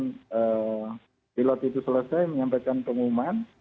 kemudian pilot itu selesai menyampaikan pengumuman